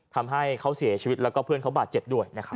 ทำให้เขาเสียชีวิตแล้วก็เพื่อนเขาบาดเจ็บด้วยนะครับ